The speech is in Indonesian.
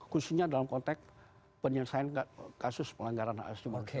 khususnya dalam konteks penyelesaian kasus pelanggaran hak asli